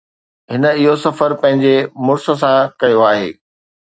هن اهو سفر پنهنجي مڙس سان ڪيو آهي